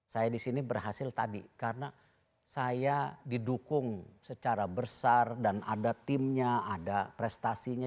saya disini berhasil tadi karena saya didukung secara besar dan ada timnya ada prestasinya